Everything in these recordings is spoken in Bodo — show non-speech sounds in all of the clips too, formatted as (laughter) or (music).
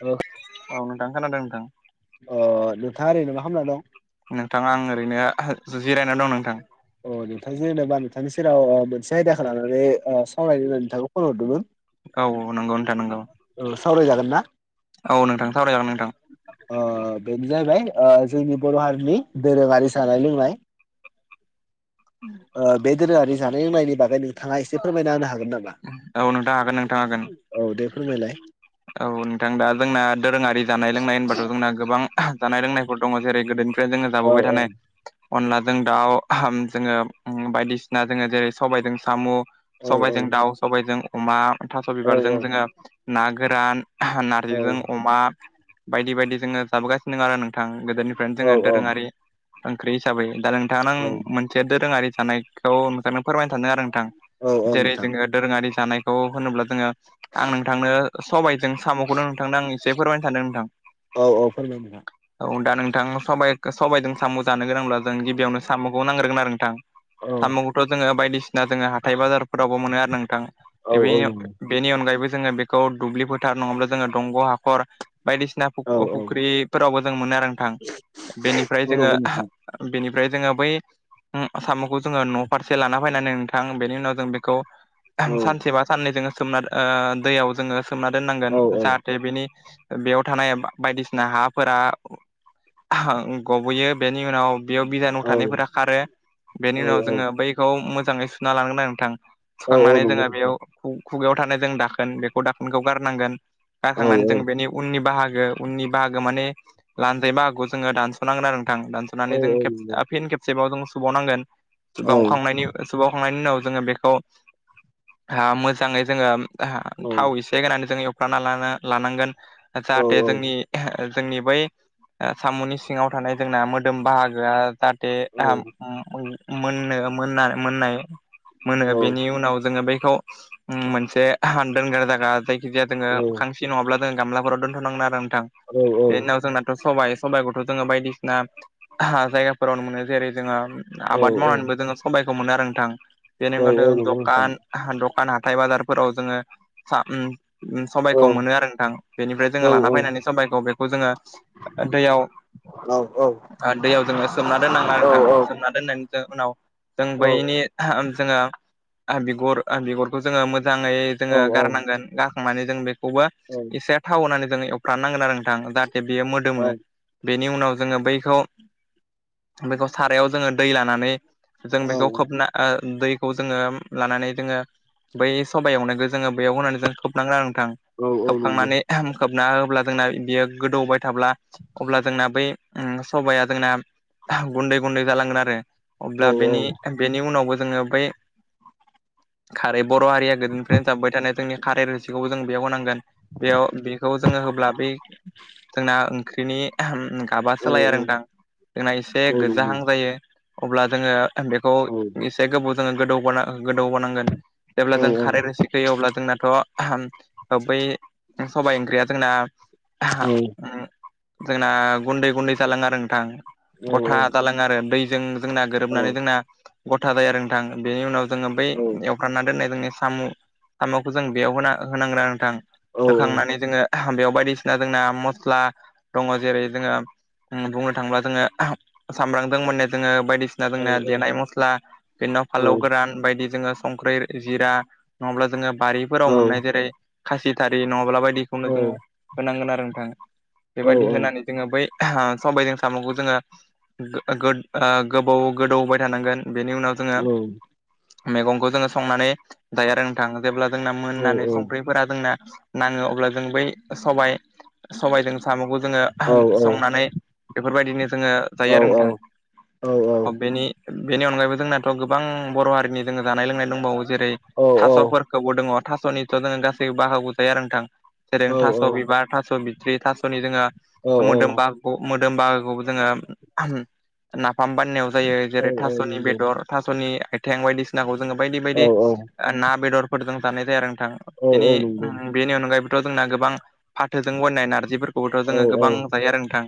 ओ औ नोंथां खोनादों दे नोंथां अ नोंथाङा ओरैनो मा खालामना दं नोंथाङा आं ओरैनो जिरायनानै दं नोंथां अ नोंथां जेनेबा नोंथांनि सेराव मोनसे आयदाखौ लानानै सावरायनो होननानै नोंथांखौ फन हरदोंमोन औ नंगौ नोंथा नोंगौ सावरायजागोन ना औ नोंथां सावरायजागोन नोंथां अ बेनो जाहाय जोंनि बर' हारिनि दोरोङारि जानाय लोंनाय (inaudible) उ (inaudible) बे दोरोङारि जानाय लोंनायनि बागै नोंथाङा एसे फोरमायना होनो हागोन नामा औ नोंथां हागोन नोंथां हागोन औ दे फोरमायलाय औ नोंथां दा जोंना दोरोङारि जानाय लोंनाय होनबाथ' जोंना गोबां जानाय लोंनायफोर दङ जेरै गोदोनि ज औ जाबोबाय औ थानाय अनलाजों दाउ जोङो बायदिसिना जोङो जेरै सबायजों साम' औ सबबायजों दाउ सबबायजों अमा थास' औ बिबारजों जोङो ना गोरान औ नारजिजों अमा बायदि बायदि जोङो जाबोगासिनो दं आरो नों नोंथां गोदोनिफ्रायनो औ जोङो औ दोरोङारि ओंख्रि हिसाबै दा नोंथांमोना औ मोनसे मोनसे दोरोङारि थानायखौ नोंथांनो फोरमायनो सानदों आरो नोंथां औ औ जेरै नोंथां जोङो दोरोङारि जानायखौ होनोब्ला जोङो आं नोंथांनो सबायाइजों साम'खौनो नोंथांनो आं एसे फोरमायनो सानदों नोंथां औ औ फोरमाय नोंथां औ दा नोंथां सबाइजों साम' जानो गोनांब्ला जों गिबियावनो साम'खौ नांग्रोगोन आरो नोंथां औ साम'खौथ' जोङो बायदिसिना जोङो हाइ बाजारफोरावबो मोनो आरो नोंथां औ औ नंगौ बे बेनि अनगायबो जोङो बेखौ दुब्लि फोथार नङाब्ला जोङो दंग' हाख खर बायदिसिना औ औ फुख्रिफोरावबो जों मोनो आरो नोंथां बेनिफ्राय औ जोङो नंगौ नोंथां बेनिफ्राय जोङो बै आसामावखौ जोङो न' फारसे लाना फैनानै नोंथां बेनि उनाव जों बेखौ औ सानसे बा साननै जो सोमना दैयाव जोङो सोमना दोननांगोन औ औ जत बेनि बेयाव थानाय बायदिसिना हाफोरा गबयो बेनि उनाव बेयाव बिजानु औ थानायफोरा खारो बेनि उनाव औ जोङो बैखौ मोजाङै सुना लांगोन आरो नोंथां औ औ सुखांनानै नंगौ जोङो नोंथां बेयाव खुगायाव थानाय जों दाखोन बे गडानखौ गारनांगोन औ गारखांनानै जों बेनि उननि बाहागो उननि बाहागो माने लान्जै मागखौ जोङो दानस'नांगोन आरो नोंथां दानस'नानै जों फन खेब जेबाव जों सुबावनांगोन बा अखांनायनि सावखांनायनि उनाव जोङो बेखौ मोजाङै जोङो थाव एसे होनानै जों एवफ्राना लानांगोन जाहाथे जोंनि जोंनि बै साम'नि सिङाव थानाय जोंना मोदोम बाहागोआ दे मोननो मोन मोननाय मोनो बेनि उनाव जोङो बेखौ मोनसे दोनग्रा जाग्रा जाय जि जजाया जोङो खांसि नङाब्ला जोङो गामलाफोराव दोनथ'नांगोन आरो नोंथां औ बे उनाव जोंना सबाइ सबाइखौथ' जोङो बायदिसिना जायगाफोरावनो मोनो जेरै जोङो औ आबाद मावनानैबो जोङो सबबायखौ मोनो आरो नोंथां बेनि अनगा नंगौ नोंथां दखान दखान हाथथाय बाजारफोराव जोङो औ सबबायखौ मोनो आरो नोंथां बेनिफ्राय औ जोङो लाना फैनानै सबाइखौ बेखौ जोङो दैयाव औ दैयाव जोङो सोमना दोननााङा औ आरो थां सोम दोननानै जों उनाव जों औ बैनि जोङो बिगर बिगरखौ जोङो मोजाङै औ जोङो औ नंगौ औ गाखांनानै जों बेखौबो औ औ नंगौ औ एसे थाव होननानै जों एवफ्रनांगोन आरो नोंथां बियो मोदोमो बेनि उनाव जोङो बैखौ बेखौ सारायाव जोङो दै लानानै जों बेखौ औ खोबना दैखौ जोङो लानानै जोङो बै सबायावनो जोङो बेयाव होनानै जों थोबनांग गोथां खोबखांनानै खोबना होब्ला जोंना बियो गोदौबाय थाब्ला अब्ला जोंना बै सबाया जोंना गुन्दै गुन्दै जालांगोन आरो अब्ला बेनि बेनि उनावबो जोङो बै खारै बर' हारिया गोदोनि नसाबबाय थानाय जोंनि खारे रोसिखौबो जों बेयाव होनांगोन बेयाव बेखौ जोङो होब्ला बै जोंना ओंख्रिनि गाबा सोलायो आरोदां जोंना एसे गो्जाहां जायो अब्ला जोङो बेखौ ज गोबाव जोङो गो गोदौबोनांगोन जेब्ला जों खार थिखैयो अब्ला जोंनाथ' बै सबाइ ओंख्रिया जोंना औ जोंना गुन्दै गुन्दै जालाङो आरो नोंथां गथा जालाङो आरो दैजों जोंना गोरोबनानै जोंना गथा जायो आरो नोंथां बेनि उनाव जोङो बै एवफ्रानना दोननाय जोंनि साम' साम'खौ जों बेयाव होना होनांगोन नथां होखांनानै जोङो बेयाव बायदिसिना जोंना मस्ला दङ जेरै जोङो बुंनो थांडीब्ला जोङो सामब्रामजों मोननाय जोङो बायदिसिना जोंनाया देनाय मस्ला बिनि उनाव फालौ गोरान बायदि जोङो संख्रि जिरा नङाब्ला जोङो बारिफोराव मोननाय जेरै खासिथारि नङाब्ला बायदिखौनो जोङो होनांगोन आरो नोंथाङा बेबायदि होनानै जोङो बै सबायजों साम'खौ जोङो गोबाव गोदौबाय थानांगोन बेनि उनाव जोङो मैगंखौ जोङो संनानै थां जेब्ला जोंना मोननानै संख्रिफोरा जोंना नाङो अब्ला जों बै सबाय सबायजों साम'खौ जोङो संनानै बेफोरबायदिनो जोङो जायो आरो नोंथां अ बेनि बेनि अनगायैबो जोंनाथ' गोबां बर' हारिनि जोङो जानाय लोंनाय दंबावो जेरै औ थास'फोरखौबो दङ थास'निथ' जोङो गासैबो बाहागो जायो आरो नोंथां जेरै औ थास' औ बिबार थास' बिथ्रि थास'नि जोङो औ मोदोमबा मोदोम बागोखौ जोङो नाफाम बाननायाव जायो औ जेरै औ थास'नि नंगौ बेदर थास'नि आथिें बायदिसिनाखौ जोङो बायदि औ बायदि औ ना बेदरफोरजों जानाय जायो आरो नोंथां औ बेनि औ नंगौ बेनि अनगायैबोथ' जोंना गोबां फाथोजों गायनाय नारजिफोरखौबोथ' औ जोङो औ गोबां जायो आरो नोंथां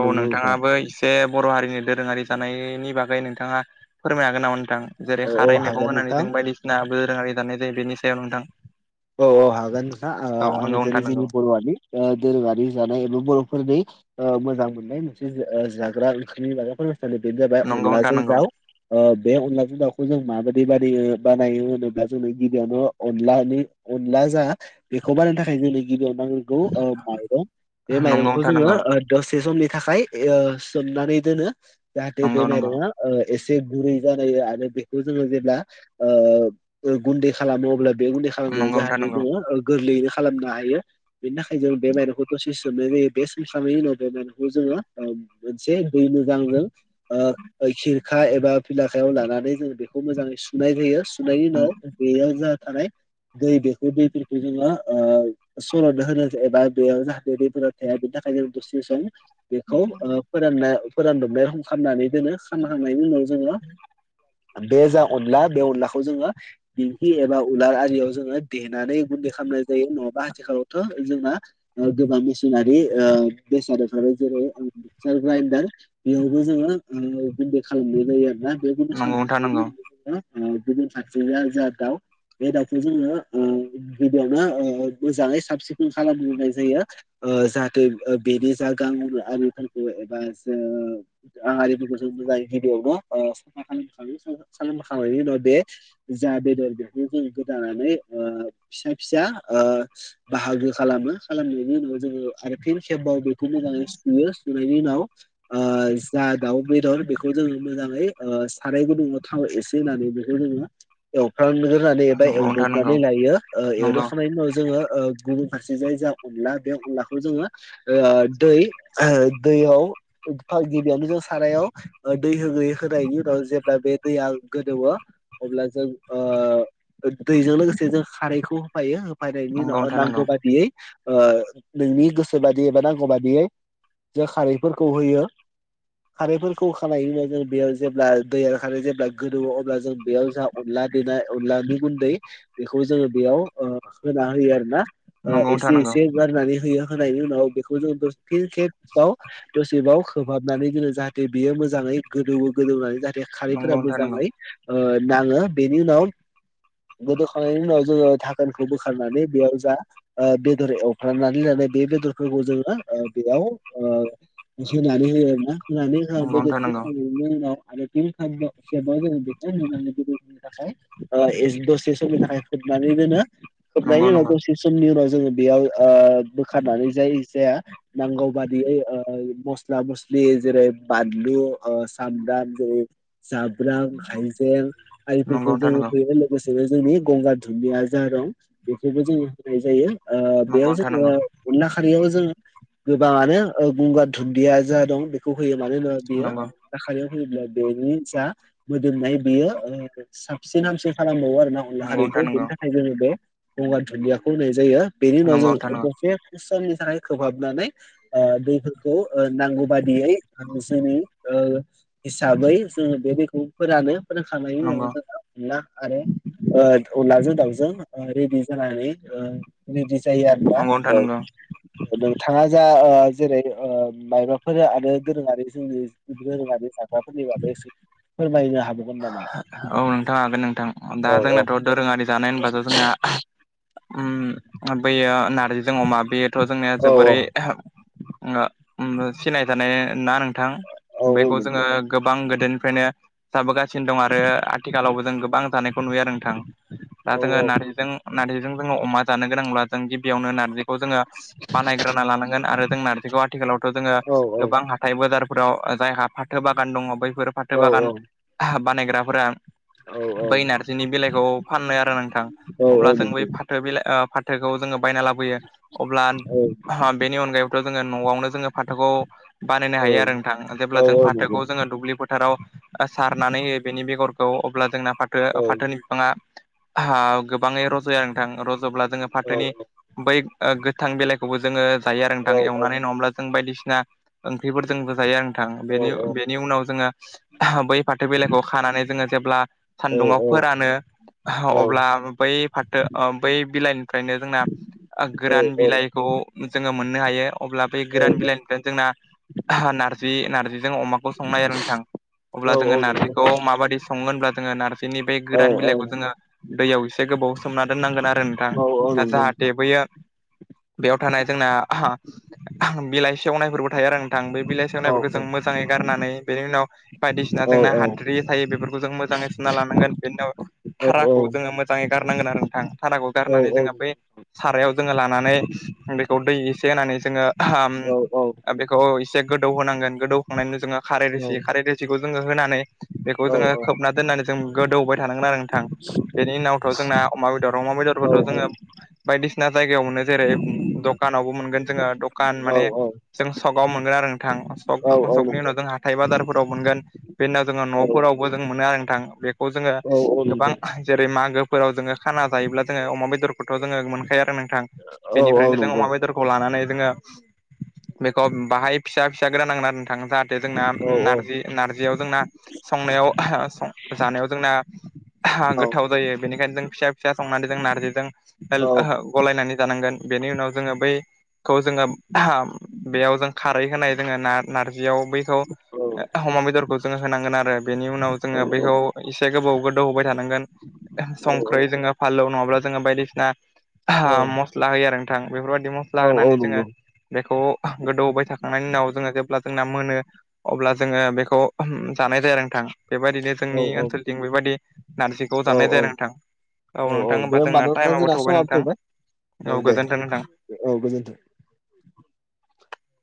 औ नंगौ नोंथां नोंथाङाबोसे बे बर' हारिनि दोरोङारि जानायनि बागै नोंथाङा फोरमाय हागोन नामा नोंथां जेरै औ औ खारै मैगं हागोन होनानै नोंथां जों बायदिसिनााबो रोङारि जानाय जायो बेनि सायाव नोंथां औ औ हागोन नोंथा औ आं नंगौ जेरै नोंथां जोंनि नंगौ बर'आनि दोरोङारि जानाय ए बर'फोरनि मोजां मोननाय मोनसे जाग्रा ओंखामनि माग्राफोर सानो बेनो जाबाय नंगौ नोंथां अनलाजों दाउ बे अनलाजों दाखौ जों माबाददि बानाय बानायो होनोब्ला जोंनो गिबियावनो अनलानि उलला जा बेखौ बानायनो थाखाय जोंनो गिबियावनो नांगगौ माइरं बे माइरंखौ जोङो नंगौ दसे समनि थाखाय सोमनानै दोनो जाहाथे नंगौ नोंथां नंगौ बेमाइरङा एसे गुरै जानाय आरो बेखौ जोङो जेब्ला गुन्दै खालामो अब्ला बे गुन्दै खालाम खालामनाया नंगौ नंगौ जाहाथे जोङो गोरलैयैनो खालामनो हायो बेनि थाखाय जों बे माइरंखौ दसे बे सोमखनायनि उनाव बे नखौ जोङो मोनसे दै मोजांजों खिरखा एबा फिलाखायाव लानानै जों बेखौ मोजाङै सुनाय जायो सुनायनि उनाव बेयाव जा थानाय दै बेखौ दैफोरखौ जोंङो सरथना होगोन एबा बेयाव जाहाथे दैफोरा थाया बिनि थाखाय जों दसे सम बेखौ फोराननाय फोरानदोंनाय खालामनानै दोनो खामखांनायनि उनाव जोङो बे जा अनला बे अनलाखौ जोङो दिंखि एबा उलार आरियाव जोङो देनानै बुन्दि खालामनाय जायो नङाबा आथिखालावथ' जोंना गोबां मेसिनारि बेसादफोराबो जेरै मिक्सार ग्राइडार बेयावबो जोङो बुन्दि खालामनाय जायो आरोना। (unintelligible) नंगौ नोंथां नंगौ गुबुन सानसेया जा दाउ बे दाउ खौ जोङो गिबियावनो मोजाङै साब सिखोन खालामग्रोनाय जायो जाहाथे बेनि जा गां आरिफोरखौ एबा जो आं आरारिफोरखौ जोंथ' जायैखाय बियावन' साफा खालाम खायो (unintelligible) बेनि उनाव बे जा बेदर बेखौ जों इसे गोदानानै फिसा फिसा बाहागो खालामो खालामनायनि उनाव जोङो आरो फिन खेब्बाव बेखौ मोजाङै सुयो सुनायनि उनाव जा दाउ बेदर बेखौ जोङो मोजाङै साराय गुदुंङाव थाव एसे होननानै बेखौ जोङो एवफ्रांगोरनानै बा नंगौ नोंथां एवदबनानै लायो एवदबखांनायनि उनाव जोङो गुबुन फारसे जाय जा अनला बे अनलाखौ जोङो दै दैयावफा गिबियावनो जों सारायाव दै होयै होनायनि उनाव जेब्ला बे दैया गोदौवो अब्ला जों दैजों लोगोसे जों खारैखौ होफायो होफायनायनि उनाव नंगौ नांगौ बादियै नोंनि गोसो बादि एबा नांगौ बादियै जों खारैफोरखौ होयो खारैफोरखौ खानायब्ला जों बेयाव जेब्ला दैया खारै जेब्ला गोदौ अब्ला जों बेयाव जा अनला देनाय अनला नि गुन्दै बेखौ जोङो बेयाव होना होयो आरोना नंगौ नोंथां एसे नंगौ एसे गारनानै होयो होनायनि उनाव बेखौ जों दसे खेब्बाव दसेबाव खोबहाबनानै जोनङो जाहाथे बेयो मोजाङै गोदौवो गोदौनानै जाहाथे बे खारैफोरा नंगौ नंगौ नोंथां नंगौ मोजाङै नाङो बेनि उनाव गोदौखांनायनि उनाव थाखोनखौ बोखारनानै बेयाव जा बेदर एवफ्रामनानै लनानै बे बेदरफोरखौ जोङो बेयाव होनानै होयो आरोना होनानै (unintelligible) नंगौ बेदरखौ हायो बेनि उनाव आरो‌ बे होखांनायनि उनाव सेब बा जोङो बेखौ मोननानै गोदौ होनो थाखाय दसे समनि थाखाय खोबनानै दोनो खोबनायनि नोंथां उनाव दसे समनि उनाव जोङो बेयाव बोखारनानै जायो जाया नांगौ बादियै म स्ला मस्लि जेरै बानलु सामब्राम जेरै जाब्रां हाइजें आरिफोरखौ जोङो होयो लोगोसेनो जोंनि गंगार धुनदिया जारं बेखौबो जोङो होनाय जायो बेयाव जोङो नंगौ अनला खालियाव जों गोबाङानो गंगार धुनदिया जा दं खौ होयो मानो होनोबा बेयो नंगौ अनला खारियाव होयोब्ला बेनि जा मोदोमनाय बियो साबसिन हामसिन खालामबावो आरोना अनला नोंथां नंगौ नोंथां नंगौ नोंथां खारिखौ बेनि नंगौ थाखाय जोङो बे गंगार धुनदियाखौ होनाय जायो बेनि नंगौ नोंथां नंगौ नोंथां नंगौ उनाव नंगौ जों दसे इसोरनि थाखाय खोबहाबनानै ओ दैफोरखौ नांगौ बादियै जोंनि ओ हिसाबै जोङो बे दैखौ फोरानो फोरोंखांनायनि उनाव जोंना ना आरो ओ अनलाजों दावजों ओ रेदि जानानै ओ रेदि जायो आरोना नंगौ नोंथां नंगौ औ नोंथाङा जा ओ जेरै ओ माइबा फोरो आरो दोरोङारि जोंनि दोरोङारि जाग्राफोरनि बागै एसे फोरमायनो हागोवमोन नामा? औ नोंथां हागोन नोंथां दा औ औ जोंनाथ' दोरोङारि जानाय होनबाथ' जोंना उम बेयो नारजिजों अमा बेयोथ' जोंनिया औ जोबोरै (unintelligible) ओ उम सिनाय थानाय ना नोंथां औ औ बेखौ जोङो नंगौ गोबां गोदोनिफ्रायनो जाबोगासिनो दं आरो आथिखालावबो जों गोबां जानायखौ नुयो आरो नोंथां। दा औ जोङो नारजिजों नारजिजों जोङो अमा जानो गोनांब्ला जों गिबियावनो नारजि खौ जोङो बानायग्रोना लानांगोन आरो जों नारजिखौ आथिखालावथ' जोङो औ गोबां हाथाय बाजारफोराव जायहा फाथो बागान दङ बैफोर फाथो औ औ बागान बानायग्राफोरा औ औ बै नारजिनि बेलाइखौ फाननो आरो नोंथां औ औ अब्ला जों बै नंगौ फा फाथो बिलाइ ओ फाथोखौ जोङो बायना लाबोयो अब्ला औ बेनि अनगायैबोथ' जोङो न'आवनो जोङो फाथोखौ बानायनो औ हायो आरो नोंथां औ जेब्ला जों औ नंगौ फाथोखौ जोङो दुब्लि फोथाराव सारनानै होयो बेनि बेगरखौ अब्ला जोंना फाथो औ फाथोनि बिफाङा (unintelligible) गोब गोबाङै रज'यो नोंथां रज'ब्ला जोङो औ फाथोनि बै गोथां बेलाइखौबो जोङो जायो आरो थां औ एवनानै नङाब्ला जों बायदिसिना ओंख्रिफोरजोंबो जायो आरो नों थां बेनि औ बेनि उनाव जोङो बै फाथो बिलाइखौ खानानै जोङो जेब्ला औ सान्दुङाव फोरानो औ अब्ला बै फाथो ओ बै बिलाइनिफ्रायनो जोंना गोरान औ बिलाइखौ जोङो मोननो हायो अब्ला बै गोरान बिलाइनिफ्राय जोंना नारजि नारजिजों अमाखौ संनाय आरो नोंथां। अब्ला जोङो औ नंगौ नारजिखौ औ माबायदि संङो होनब्ला जोङो नारजिनि बे औ गोरान बिलाइखौ जोङो दैयाव एसे गोबाव सोमना दोननांगोन आरो नोंथां नंगौ जाहाथे बैयो बेयाव थानाय जोंना बिलाइ सेवनायफोरबो थायो आरो नोंथां बे बिलाइ औ सेवनायफोरखौ औ जों मोजाङै गारनानै बेनि उनाव बायदिसिना जोंना औ हाद्रि थायो बेफोरखौ जों मोजाङै सुना लानांगोन बेनिनाव औ औ औ थाराखौ जोङो मोजाङै गारनांगोन आरो नोंथां। थाराखौ गारनानै जोंहा बे सारायाव जोङो लानानै बेखौ दै एसे होनानै जोङो (unintelligible) गोबाव इसे गोदौ होनांगोन गोदौखांनायनिनो जोङो खारै रोसि खारै रोसिखौ जोङो होनानै बेखौ औ औ जोङो औ खोबना दोननानै जों गोदौहोबाय थानांगोन आरो। थां बेनि उनावथ' जोंना अमा बेदर अमा औ बेदरखौथ' जोङो बायदिसिना बिसिना जायगायाव मोनो जेरै द'खानावबो मोनगोन जोङो द'खान औ माने जों स'काव मोनगोन आरो थां स'क औ औ स'कनि नंगौ उनाव जों हाथाय बाजारफोराव मोनगोन बेनि उनाव जों औ न'फोराव खौबो जों मोनो आरो नोंथां बेखौ जोङो औ औ गोबां नंगौ जेरै मागोफोराव जोङो खाना जायोब्ला जोङो अमा बेदरखौथ' जोङो मोनखायो आरो नों थां औ औ बेनिफ्रायनो जों नंगौ अमा बेदर खौ लानानै जोङो बेखौ बाहाय फिसा फिसा गोदा नांगोन आरो नांथां जाहा थे जोंना औ औ नारजि नारजियाव जोंना संनायाव जानायाव जोंना औ गोथाव जायो बेनिखायनो जों फिसा फिसा संनानै जों नारजिजों औ (unintelligible) गलायनानै जानांगोन बेनि उनाव जोङो बै खौ जोङो (unintelligible) बेयाव जों खारै होनाय जोङो ना नारजियाव बैखौ अमा बेदरखौ जोङो होनांगोन आरो। बेनि उनाव जोङो बेखौ एसे गोबाव गोदौ होबाय थानांगोन औ संख्रै जोङो फालौ नङाब्ला जोङो बायदिसिना मस्ला होयो आरो नोंथां बेफोरबायदि मस ला औ औ होनानै जोङो नंगौ औ बेखौ गोदौबाय थाखांनायनि उनाव जोङो जेब्ला जोंना मोनो अब्ला जोङो बेखौ (unintelligible) जानाय जायो आरो नोंथां बेबायदिनो जोंनि ओनसोलथिं बेबायदि नारजिखौ औ जानाय जायो आरो नोंथां। औ नोंथां दे होमबा जोंना नोंथां टाइमाबो जोंना थौबाय समाबो नोंथां औ गोजोनथों नोंथां। औ गोजोन्थों।